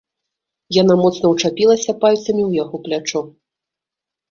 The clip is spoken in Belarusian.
Яна моцна ўчапілася пальцамі ў яго плячо.